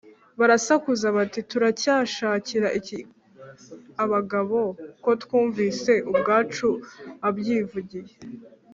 ” barasakuza bati, “turacyashakira iki abagabo, ko twumvise ubwacu abyivugiye